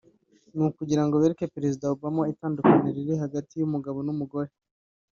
ni ukugira ngo bereke Perezida Obama itandukaniro riri hagati y’umugabo n’umugore